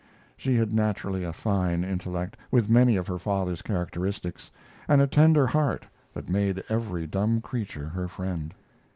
She had naturally a fine intellect, with many of her father's characteristics, and a tender heart that made every dumb creature her friend.